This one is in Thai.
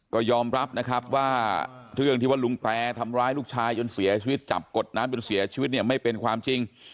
ก็ยอมรับนะครับว่าเรื่องที่ว่าลุงแตรทำร้ายลูกชายจนเสียชีวิตจับกดน้ำจนเสียชีวิตเนี่ยไม่เป็นความจริง